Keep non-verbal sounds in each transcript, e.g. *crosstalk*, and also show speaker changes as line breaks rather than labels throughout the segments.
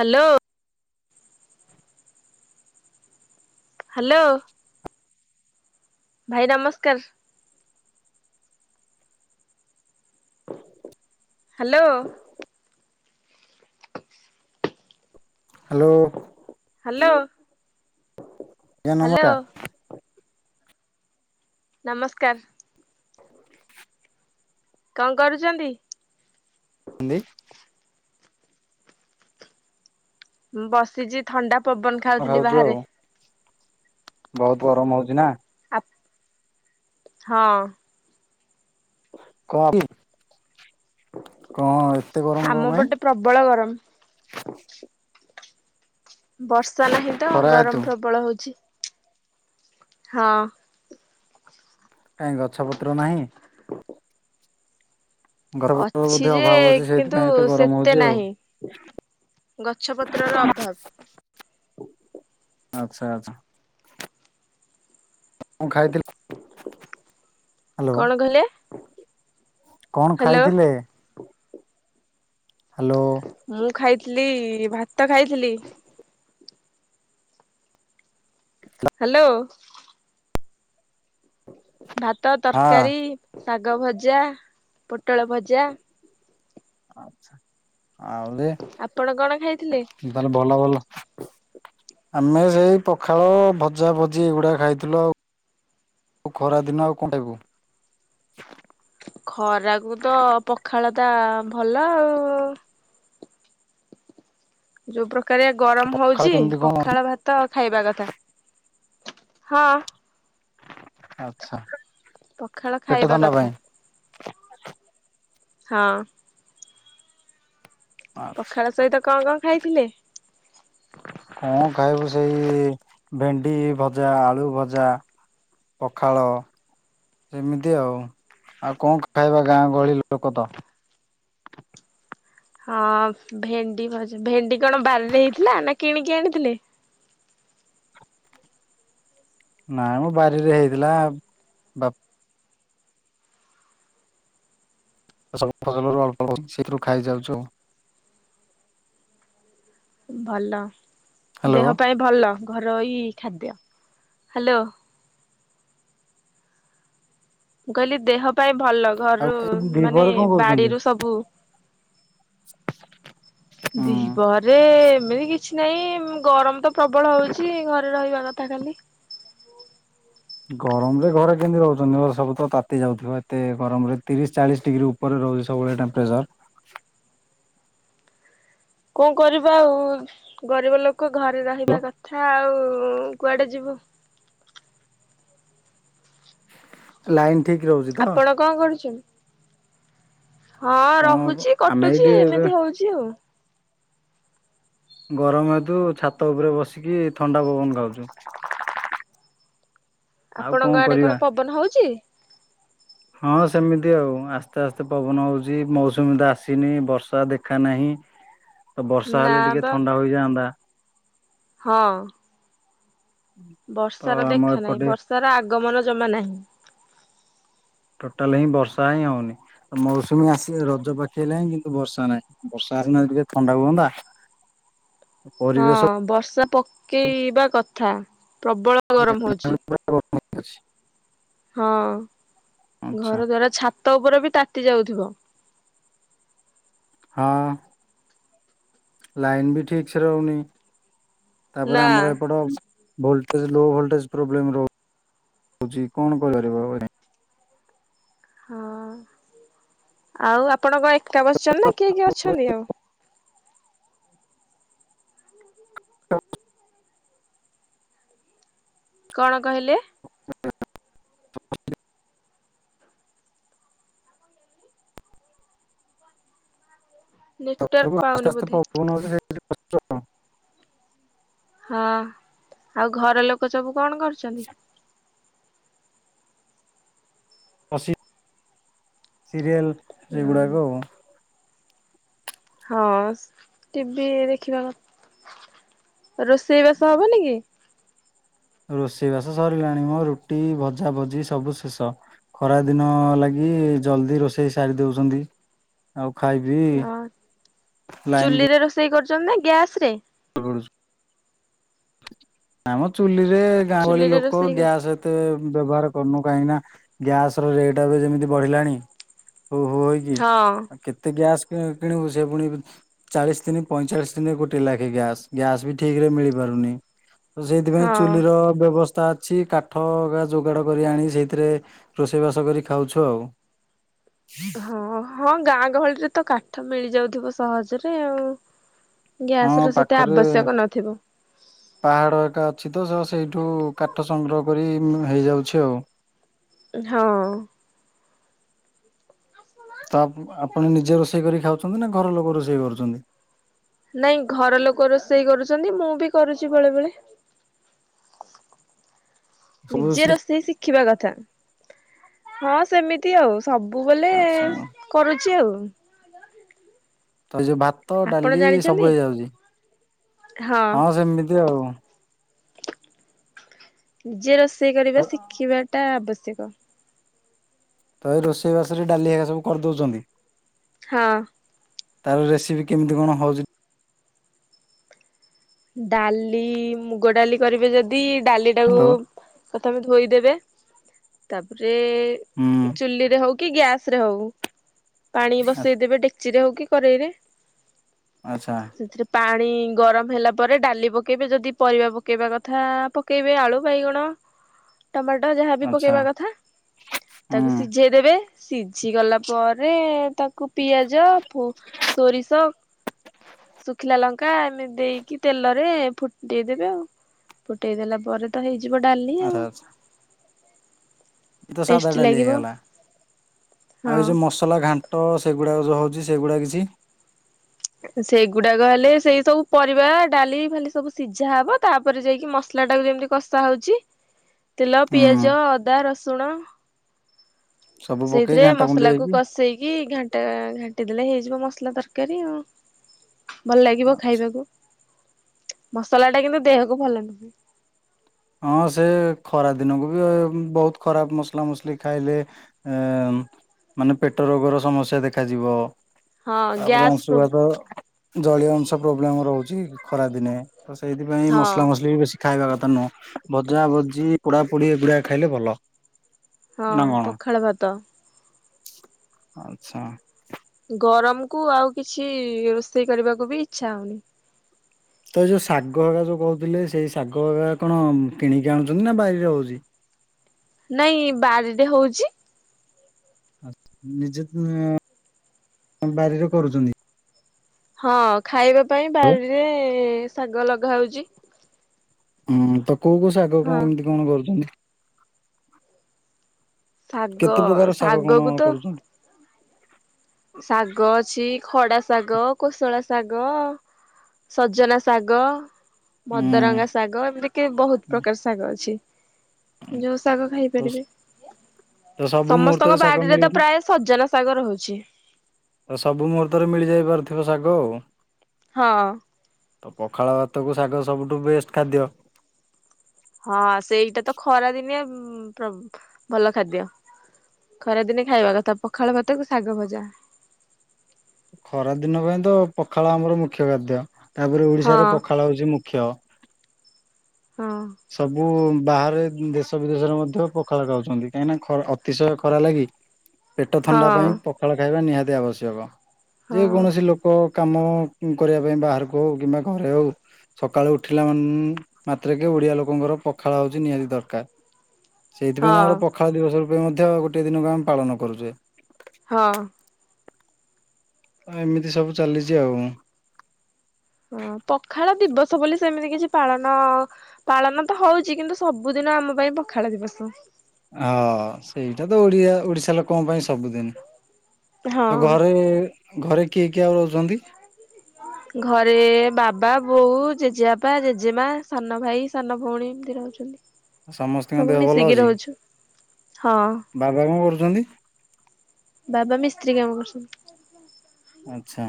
Hello. Hello ଭାଇ ନମସ୍କାର। Hello.
Hello.
Hello.
ଆଜ୍ଞା
ହାଲୋ
ନମକା
ନମସ୍କାର। କଣ କରୁଛନ୍ତି?
ଏମିତି
ମୁଁ ବସିଛି ଥଣ୍ଡା ପବନ ଖାଉଥିଲି
ଖାଉଛୁ ଆଉ
ବାହାରେ।
ବହୁତ ଗରମ ହଉଛିି ନା?
ଆ ହଁ।
କଣ କି କଣ? ଗରମ କଣ
ଆମ
ପାଇଁ
ପଟେ ପ୍ରବଳ ଗରମ। ବର୍ଷା ନାହିଁ ତ
ଖରା ହେତୁ
ଗରମ ପ୍ରବଳ ହଉଛି। ହଁ।
କାହିଁ ଗଛ ପତ୍ର ନାହିଁ। ଗଛ ପତ୍ର
ଅଛି
ବୋଧେ
ଯେ
ଅଭାବ ଅଛି
କିନ୍ତୁ
ସେଇଥିପାଇଁ ଏତେ ଗରମ ହଉଛି
ସେତେ
ଆଉ
ନାହିଁ। ଗଛପତ୍ରର ଅଭାବ।
ଆଚ୍ଛା ଆଚ୍ଛା। ମୁଁ ଖାଇଥିଲି
କଣ କହିଲେ?
କଣ
ହାଲୋ
ଖାଇଥିଲେ ହ୍ୟାଲୋ।
ମୁଁ ଖାଇଥିଲି ଭାତ ଖାଇଥିଲି। ହ୍ୟାଲୋ।
ହ।
ଭାତ ତରକାରୀ ଶାଗ ଭଜା ପୋଟଳ ଭ
ଆହୁରି
ଆପଣ କଣ ଖାଇଥିଲେ?
ତାହେଲେ ଭଲ ଭଲ ଆମେ ସେଇ ପଖାଳ ଭଜା ଭଜି ଏଇଗୁଡା ଖାଇଥିଲୁ ଆଉ। ଖରା ଦିନ ଆଉ କଣଟା ଖାଇବୁ?
ଖରାକୁ ତ ପଖାଳଟା ଭଲ ଆଉ ଯୋଉ ପ୍ରକାରିଆ ଗରମ
ପଖାଳ
ହଉଛି
କେମିତି କଣ
ପଖାଳ ଭା ତ ଖାଇବା କଥା ହଁ।
ଆଚ୍ଛା।
ପଖାଳ
ପେଟ
ଖାଇବା
ଥଣ୍ଡା
କଥା।
ପାଇଁ
ହଁ। ପଖାଳ ସହିତ କଣ କଣ ଖାଇଥିଲେ?
କଣ ଖାଇବୁ ସେଇ ଭେଣ୍ଡି ଭଜା ଆଳୁ ଭଜା। ପଖାଳ। ଏମିତି ଆଉ ଆଉ କଣ ଖାଇବା ଗାଁ ଗହଳି ଲୋକ ତ?
ହଁ ଭେଣ୍ଡି ଭଜ ଭେଣ୍ଡି କଣ ବାରିରେ ହେଇଥିଲା ନା କିଣିକି ଆଣିଥିଲେ?
ନାଇଁ ମ ବାରିରେ ହେଇଥିଲା ବାପ ସବୁ ଫସଲରୁ ଅଳ୍ପ କରିଛି ସେଥିରୁ ଖାଇଚାଲିଛୁ।
ଭଲ
ହ୍ୟାଲୋ
ଦେହ ପାଇଁ ଭଲ ଘରୋଇ ଖାଦ୍ୟ ହ୍ୟାଲୋ। କହିଲି ଦେହ ପାଇଁ ଭଲ
ଆଉ
ଘରୁ ମାନେ
ଦିପହରେ କଣ କରୁଛନ୍ତି?
ବାଡିରୁ ସବୁ
ହୁଁ
ଦିପ୍ରହରେ ରେ ଏମିତି କିଛି ନାହିଁ ଗରମ ତ ପ୍ରବଳ ହଉଛି ଘରେ ରହିବା କଥା ଖାଲି।
ଗରମରେ ଘରେ କେମିତି ରହୁଛନ୍ତି ଘ ସବୁ ତ ତାତି ଯାଉଥିବ ଏତେ ଗରମ ରେ ତିରିଶ ଚାଳିଶ ଡିଗ୍ରୀ ଉପ ଉପରେ ରହୁଛି ସବୁଳେ ଟେମ୍ପରେଚର
କଣ କରିବା ଆଉ ଗରିବ ଲୋକ ଘରେ ରହିବା କଥା ଆଉ କୁଆଡେ ଯିବୁ?
ଲାଇନ୍ ଠିକ୍ ରହୁଛି ତ?
ଆପଣ କଣ କରୁଛୁ? ହଁ
କଣ
ରହୁଛି
ଆମେ
କଟୁଛି
ଏଇଠି ଏବେ
ଏମିତି ହଉଛି ଆଉ।
ଗରମ ହେତୁ ଛାତ ଉପରେ ବସିକି ଥଣ୍ଡା ପବନ ଖାଉଛୁ। ଆଉ
ଆପଣଙ୍କ
କଣ
ଆଡେ
କରିବା।
ପବନ *inaudible*
ହଁ ସେମିତି ଆଉ ଆସ୍ତେ ଆସ୍ତେ ପବନ ହଉଛି ମୌସୁମୀ ତ ଆସିନି ବର୍ଷା ଦେଖା ନାହିଁ
*inaudible*
ତ ବର୍ଷା
ନା
ହେଲେ ଟିକେ
ବା
ଥଣ୍ଡା ହୋଇଯାଆନ୍ତା
ହଁ।
ତ
ବର୍ଷାର
ଆମ
ଦେଖା ନାହିଁ
ଏପଟେ
ବର୍ଷାର ଆଗମନ ଜମା ନାହିଁ।
ଟୋଟାଲ ହିଁ ବର୍ଷା ହିଁ ହଉନି ମୌସୁମୀ ଆସିଲେ ରଜ ପାଖେ ଲାନି, କିନ୍ତୁ ବର୍ଷା ନାହିଁ ବର୍ଷା ହେଲେ ଟିକେ ଥଣ୍ଡା ହୁଅନ୍ତା
ହଁ
ପରିବେଶ
ବର୍ଷା ପକେଇବା କଥା ପ୍ରବଳ ଗରମ ହଉଛି
*unintelligible*
ହଁ।
ଆଚ୍ଛା
ଘର ଦ୍ଵାରା ଛାତ ଉପରେ ବି ତାତି ଯାଉଥିବ।
ହଁ ଲାଇନ୍ ବି ଠିକ୍ ସେ ରହୁନି।
ନା
ତାପରେ ଆମର ଏପଟ ଭୋଲଟେଜେ ଲୋ ଭୋଲଟେଜେ ପ୍ରୋବ୍ଲେ ରହୁଛି କଣ କରିପାରିବ ଏ
ହଁ। ଆଉ ଆପଣ କଣ ଏକା ବସିଛନ୍ତି ନା କିଏ କିଏ ଅଛନ୍ତି ଆଉ?
*inaudible*
କଣ କହିଲେ?
*inaudible* ତ
ନେଟୱାର୍କ
ପବନ
ପାଉନି
ଆସ୍ତେ ଆସ୍ତେ
ବୋଧେ।
ପବନ *unintelligible* ସେ କଷ୍ଟ
ହଁ ଆଉ ଘର ଲୋକ ସବୁ କଣ କରୁଛନ୍ତି?
ପ୍ରସି ସିରିଏଲ ସେଗୁଡ଼ାକ ଆଉ।
ହଁ ଟିଭି ଦେଖିବା କ ରୋଷେଇବାସ ହବନି କି?
ରୋଷେଇବାସ ସରିଲାଣି ମ ରୁଟି ଭଜା ଭଜି ସବୁ ଶେଷ। ଖରା ଦିନ ଲାଗି ଜଲ୍ଦି ରୋଷେଇ ସାରି ଦେଉଛନ୍ତି। ଆଉ ଖାଇବି ଲାଇନ
ସେଇ କରୁଛନ୍ତି ନା ଗ୍ୟାସ ରେ?
ରୁଛୁ ଆମ ଚୁଲିରେ ଗାଁ ଗହଳି
ଚୁଲିରେ
ଲୋକ
ରୋଷେଇ କରୁଛ
ଗ୍ୟାସ ଏତେ ବ୍ୟବହାର କରୁନୁ କାହିଁକି ନା ଗ୍ୟାସ ର ରେଟ୍ ଏବେ ଯେମିତି ବଢିଲାଣି ହୋ ହୋ ହେଇକି
ହଁ
କେତେ ଗ୍ୟାସ୍ କିଣିବୁ କିଣିବୁ ସେ ଫୁଣି ଚାଳିଶି ଦିନ ପଇଁଚାଳିଶ ଦିନ ଗୋଟେ ଲାଗେ ଏ ଗ୍ୟାସ ଗ୍ୟାସ ବି ଠିକ ରେ ମିଳି ପାରୁନି ତ ସେଇଥୀପାଇଁ
ହଁ
ଚୁଲିର ବ୍ୟବସ୍ଥା ଅଛି କାଠ ଗା ଯୋଗାଡ଼ କରି ଆଣି ସେଇଥିରେ ରୋଷେଇବାସ କରି ଖାଉଛୁ ଆଉ।
*inaudible* ହଁ ହଁ ଗାଁ ଗହଳିରେ ତ କାଠ ମିଳିଯାଉଥିବ ସହଜରେ ଆଉ। ଗ୍ୟାସ
ହଁ
ର ସେତେ ଆବଶ୍ୟକ ନଥିବ।
ପାହାଡ଼ ଏକା ଅଛି ତ ସେଇଠୁ କାଠ ସଂଗ୍ରହ କରି ଉଁ ହେଇଯାଉଛି ଆଉ।
ହଁ।
ତ ଆ ଆପଣ ନିଜେ ରୋଷେଇ କରି ଖାଉଛନ୍ତି ନା ଘର ଲୋକ ରୋଷେଇ କରୁଛନ୍ତି?
ନାଇଁ ଘର ଲୋକ ରୋଷେଇ କରୁଛନ୍ତି ମୁଁ ବି କରୁଛି ବେଳେବେଳେ।
ସବୁ
ନିଜେ
ସେ
ରୋଷେଇ ଶିଖିବା କଥା। ହଁ ସେମିତି ଆଉ। ସବୁବେଲେ
ଆଚ୍ଛା
କରୁଚି ଆଉ
ତ ଯୋଉ ଭାତ
ଆପଣ
ଡାଲି ସବୁ
ଜାଣିଛନ୍ତି?
ହେଇଯାଉଚି ହଁ ସେମିତି ଆଉ
ନିଜେ ରୋଷେଇ କରିବା ଶିଖିବା ଟା ଆବଶ୍ୟକ।
ତ ଏଇ ରୋଷେଇ ବାସ ରେ ଡାଲି ହୋ ସବୁ କରିଦଉଚନ୍ତି।
ହଁ।
ତାର ରେସିପି କେମିତି କଣ ହଉଚି।
ଡାଲି ମୁଗ ଡାଲି କରିବେ ଯଦି ଡାଲିଟା ଟାକୁ
ହ୍ୟାଲୋ
ପ୍ରଥମେ ଧୋଇଦେବେ ତାପରେ
ହୁଁ
ଚୁଲିରେ ହଉ କି ଗ୍ୟାସେ ହଉ ପାଣି ବସେଇଦେବେ ଡେକ୍ଚିରେ ହେଉ କି କରେଇରେ
ଆଚ୍ଛା।
ସେଥିରେ ପାଣି ଗରମ ହେଲା ପରେ ଡାଲି ପକେଇବେ ଯଦି ପରିବା ପକେଇବା କଥା ପକେଇବେ ଆଳୁ ବାଇଗଣ ଟମାଟୋ ଯାହାବି
ଆଚ୍ଛା
ପକେଇବା କଥା ତାକୁ
ହୁଁ
ସିଝେଇ ଦେବେ ସିଝି ଗଲା ପରେ ତାକୁ ପିଆଜ ଫୋ ସୋରିଷ ଶୁଖିଲା ଲଙ୍କା ଏମିତି ଦେଇକି ତେଲରେ ଫୁଟେଇଦବେ ଆଉ ଫୁଟେଇଦଲା ପରେ ତ ହେଇଯିବ ଡାଲି
ଆଚ୍ଛା
ଆଉ।
ଏତ ସାଧା
ଟେଷ୍ଟି
ଡାଲି
ଲାଗିବ
ହେଇଗଲା ଆଉ
ହଁ
ଏ ଯୋଉ ମସ ମସଲା ଘାଣ୍ଟ ସେଗୁଡ଼ାକ ଯେଉଁ ହଉଛି ସେଗୁଡ଼ା କିଛି।
ସେଇଗୁଡାକ ହେଲେ ସେଇ ସବୁ ପରିବା ଡାଲି ଫାଲି ସବୁ ସିଝା ହବ ତାପରେ ଯାଇକି ମସଲା ଟାକୁ ଯେମିତି କଷା ହେଉଚି ତେଲ
ହୁଁ
ପିଆଜ ଅଦା ରସୁଣ।
ସବୁ ପକେଇ
ସେଇଥିରେ
ଘାଣ୍ଟା ଘୁଣ୍ଟି
ମସଲା କୁ
ହେଇକି
କଷେଇକି ଘଣ୍ଟା ଘାଣ୍ଟି ଦେଲେ ହେଇଯିବ ମସଲା ତରକାରୀ ଆଉ। ଭଲ ଲାଗିବ
ଆଚ୍ଛା
ଖାଇବାକୁ ମସଲା ଟା କିନ୍ତୁ ଦେହକୁ ଭଲ ନୁହେଁ।
ହଁ ସେ ଖରା ଦିନକୁ ବି ବହୁତ ଖରାପ ମସଲା ମସଲି ଖାଇଲେ ଏ ମାନେ ପେଟ ରୋଗର ସମସ୍ୟା ଦେଖାଯିବ।
ହଁ
ତାପରେ
ଗ୍ୟାସ୍ ପ୍ରୋ
ଅଂଶୁଘାତ। ଜଳୀୟ ଅଂଶ ପ୍ରୋବ୍ଲେମ ରହୁଛି ଖରା ଦିନେ ତ ସେଇଥିପାଇଁ
ହଁ
ମସଲା ମସଲି ବି ବେଶୀ ଖାଇବା କଥା ନୁହଁ। ଭଜା ଭଜି ପୋଡା ପୋଡି ଏଗୁଡା ଖାଇଲେ ଭଲ।
ହଁ
ନା କଣ
ପଖାଳ ଭାତ।
ଆଚ୍ଛା।
ଗରମ କୁ ଆଉ କିଛି ରୋଷେଇ କରିବାକୁ ବି ଇଚ୍ଛା ହଉନି।
ତ ଯୋଉ ଶାଗ ହକା ଯୋଉ କହୁଥିଲେ ସେଇ ଶାଗ ହକା କଣ କିଣିକି ଆଣୁଛନ୍ତି ନା ବାରିରେ ହଉଚି।
ନାଇଁ ବାରିରେ ହଉଚି।
ନିଜେ ବାରିରେ କରୁଚନ୍ତି।
ହଁ ଖାଇବା ପାଇଁ
ହ୍ୟାଲୋ।
ବାରିରେ ଶାଗ ଲଗା ହଉଚି।
ହୁଁ ତ କୋଉ କୋଉ ଶାଗ
ହଁ।
କଣ ଏମିତି କଣ କରୁଚନ୍ତି।
ଶାଗ
କେତେ ପ୍ରକାର କଣ
ଶାଗ କୁ ତ
କରୁଛନ୍ତି?
ଶାଗ ଅଛି ଖଡା ଶାଗ, କୋଶୁଳା ଶାଗ। ସଜନା ଶାଗ। ମଦରଙ୍ଗା
ହୁଁ
ଶାଗ ଏମିତି କି ବହୁତ ପ୍ରକାର ଶାଗ ଅଛି। ଯୋଉ ଶାଗ
ତ
ଖାଇପାରିବେ
ତ ସବୁ ମୁହୂର୍ତ୍ତରେ
ସମସ୍ତଙ୍କ
ଶାଗ
ବାଡ଼ିରେ
ମିଳି
ତ ପ୍ରାୟ ସଜନା ଶାଗ ରହୁଉଛି।
ତ ସବୁ ମୁହୂର୍ତ୍ତରେ ମିଳିଯାଇପାରୁଥିବ ଶାଗ ଆଉ।
ହଁ।
ତ ପଖାଳ ଭାତକୁ ଶାଗ ସବୁଠୁ ବେଷ୍ଟ ଖାଦ୍ୟ।
ହଁ ସେଇଟା ତ ଖରା ଦିନେ ପ୍ର ଭଲ ଖାଦ୍ୟ। ଖରା ଦିନେ ଖାଇବା କଥା ପଖାଳ ଭାତକୁ ଶାଗ ଭଜା।
ଖରା ଦିନ ପାଇଁ ତ ପଖାଳ ଆମର ମୁଖ୍ୟ ଖାଦ୍ୟ, ତାପରେ
ହଁ
ଓଡିଶାର ପଖାଳ ହଉଛି ମୁଖ୍ୟ।
ହଁ।
ସବୁ ବାହାରେ ଦେଶ ବିଦେଶରେ ମଧ୍ୟ ପଖାଳ ଖାଉଛନ୍ତି କାହିଁକିନା ଖର୍ ଅତିଶୟ ଖରା ଲାଗି
ହଁ
ପେଟ ଥଣ୍ଡା ପାଇଁ ପଖାଳ ଖାଇବା ନିହାତି ଆବଶ୍ୟକ,
ହଁ
ଯେକୌଣସି ଲୋକ୍ ଲୋକ କାମ କରିବା ପାଇଁ ବାହାରକୁ ହେଉ କିମ୍ବା ଘରେ ହେଉ ସକାଳୁ ଉଠିଲା ମାନ୍-ଅ-ଅ ମାତ୍ରେ ଓଡିଆ ଲୋକଙ୍କର ପଖାଳ ହଉଛି ନିହାତି ଦରକାର, ସେଇଥିପାଇଁ ତ
ହଁ
ଆମର ପଖ୍ ପଖାଳ ଦିବସ ରୂପେ ମଧ୍ୟ ଗୋଟିଏ ଦିନକୁ ଆମେ ପାଳନ କରୁଚେ।
ହଁ।
ଏମିତି ସବୁ ଚାଲିଛି ଆଉ।
ହଁ ପଖାଳ ଦିବସ ବୋଲି ସେମିତି କିଛି ପାଳନ ପାଳନ ତ ହଉଛି କିନ୍ତୁ ସବୁଦିନ ଆମ ପାଇଁ ପଖାଳ ଦିବସ।
ହ-ଅ-ଅ ସେଇଟା ତ ଓଡିଆ ଓଡିଶା ଲୋକଙ୍କ ପାଇଁ ସବୁଦିନ
ହଁ
ଆଉ ଘରେ-ଏ-ଏ ଘରେ କିଏ କିଏ ଆଉ ରହୁଛନ୍ତି?
*unintelligible* ଘରେ-ଏ-ଏ ବାବା ବୋଉ ଜେଜେବାପା ଜେଜେମା ସାନ ଭାଇ ସାନ ଭଉଣୀ ଏମିତି ରହୁଛନ୍ତି।
ଆଉ ସମସ୍ତିଙ୍କ
ସବୁ
ଦେହ ଭଲ
ମିଶିକି
ଅଛି?
ରହୁଛୁ ହଁ
ବାବା କଣ କରୁଛନ୍ତି?
ବାବା ମିସ୍ତ୍ରୀ କାମ କରୁଛନ୍ତି। *unintelligible*
ଆଚ୍ଛା,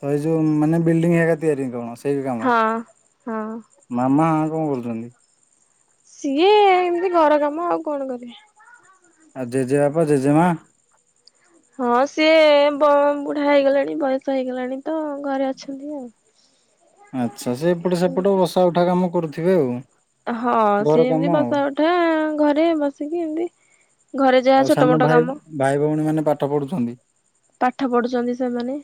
ତ ଏଇ ଯୋଉ ମାନେ ବିଲଡିଙ୍ଗ ହେରିକା ତିଆରି କଣ ସେଇ କାମ?
ହଁ-ହଁ
ମାମା କଣ କରୁଚନ୍ତି?
ସିଏ ଏମିତି ଘର କାମ, ଆଉ କଣ କରିବେ?
ଆଉ ଜେଜେ ବାପା ଜେଜେମାଆ?
ହଁ ସିଏ-ଏ-ଏ ବ ବୁଢା ହେଇଗଲେଣି ବୟସ ହେଇଗଲାଣି। ତ ଘରେ ଅଛନ୍ତି ଆଉ।
ଆଚ୍ଛା, ସେ ଏପଟ ସେପଟ ବସା ଉଠା କାମ କରୁଥିବେ ଆଉ।
ହଁ
ଘର
ସିଏ
କାମ
ଏମତି
ଆଉ
ବସା ଉଠା ଘରେ ବସିକି ଏମତି ଘରେ
ଆଉ
ଯାହା
ସାନ
ଛୋଟ ମୋଟ
ଭାଇ
କାମ।
ଭାଇ ଭଉଣୀମାନେ ପାଠ ପଢୁଛନ୍ତି?
ପାଠ ପଢୁଛନ୍ତି ସେମାନେ।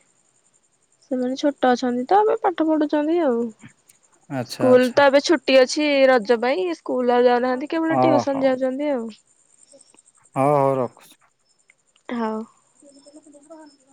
ସେମାନେ ଛୋଟ ଅଛନ୍ତି ତ ଏବେ ପାଠ ପଢୁଛନ୍ତି ଆଉ।
ଆଚ୍ଛା
ସ୍କୁଲ
ଆଚ୍ଛା।
ତ ଏବେ ଛୁଟି ଅଛି ରଜ ପାଇଁ ସ୍କୁଲ ଆଉ ଯାଉନାହାନ୍ତି। କେବଳ
ଅ
ଟ୍ୟୁସନ ଯାଉଚନ୍ତି ଆଉ।
ହଉ-ହଉ ରଖୁଛି।
ହଉ।